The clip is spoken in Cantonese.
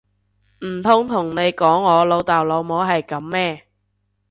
唔通同你講我老豆老母係噉咩！